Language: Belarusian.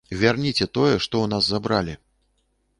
Вярніце тое, што ў нас забралі.